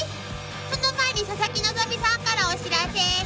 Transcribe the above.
［その前に佐々木希さんからお知らせ］